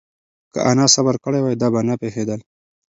که انا صبر کړی وای، دا به نه پېښېدل.